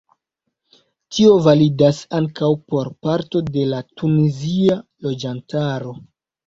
Tio validas ankaŭ por parto de la tunizia loĝantaro.